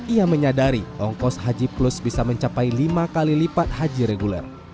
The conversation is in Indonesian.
ia menyadari ongkos haji plus bisa mencapai lima kali lipat haji reguler